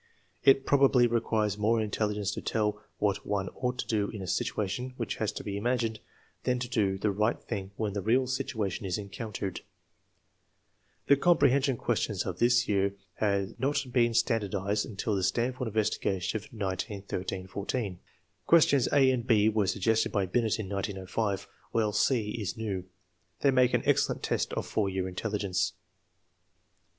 It probably requires more intelligence to tell what one ought to do in a situation which has to be imagined than to do the right thing when the real situation is encountered. The comprehension questions of this year had not been standardized until the Stanford investigation of 1913 14. Questions a and b were suggested by Binet in 1905, while c is new. They make an excellent test of 4 year intelligence.